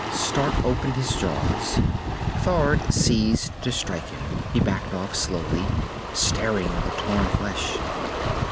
Stark opened his jaws. Thord ceased to strike him. He backed off slowly, staring at the torn flesh.